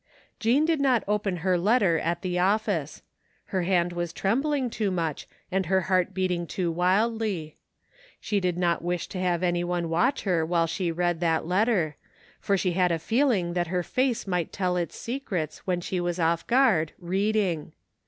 Jean did not open her letter at the office. Her hand was trembling too much and her heart beating too wildly. She did not wish to have any one watch her while she read that letter, for she had a feeling that her face might tell its secrets when she was off guard, reading.